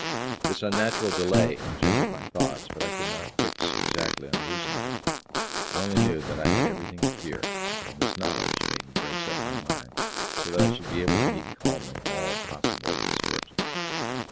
This unnatural delay engendered many thoughts, but I could not fix exactly on the reason of it. I only knew that I had everything to fear, and this knowledge made me brace up my mind so that I should be able to meet calmly all possible misfortunes.